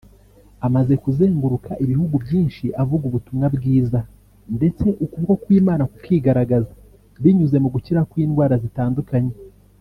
Amaze kuzenguruka ibihugu byinshi avuga ubutumwa bwiza ndetse ukuboko kw’Imana kukigaragaza binyuze mu gukira kw’indwara zitandukanye